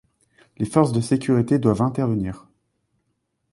Les forces de sécurité doivent intervenir.